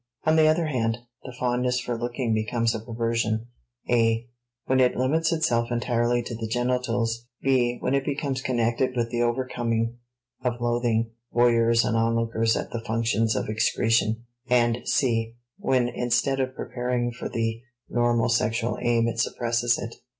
On the other hand, the fondness for looking becomes a perversion (a) when it limits itself entirely to the genitals; (b) when it becomes connected with the overcoming of loathing (voyeurs and onlookers at the functions of excretion); and (c) when instead of preparing for the normal sexual aim it suppresses it.